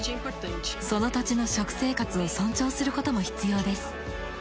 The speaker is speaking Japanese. その土地の食生活を尊重することも必要です。